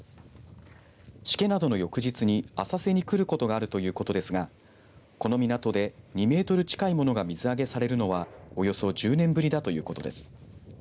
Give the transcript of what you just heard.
シケなどの翌日に浅瀬に来ることがあるということですがこの港で２メートル近いものが水揚げされるのはおよそ１０年ぶりだということです。